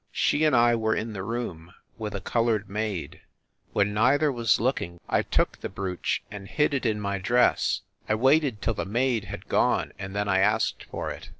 She and I were in the room, with a colored maid. When neither was looking I took the brooch and hid it in my dress ; I waited till the maid had gone, and then I asked for it.